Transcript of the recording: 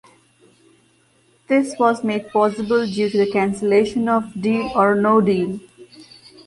This was made possible due to the cancellation of "Deal or No Deal".